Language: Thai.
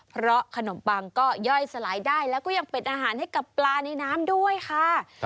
เพราะขนมปังก็ย่อยสลายได้แล้วก็ยังเป็นอาหารให้กับปลาในน้ำด้วยค่ะ